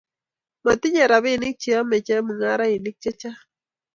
matinyei robinik che yomei chemung'arenik che chang'.